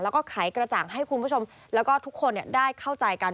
แล้วก็ไขกระจ่างให้คุณผู้ชมแล้วก็ทุกคนได้เข้าใจกัน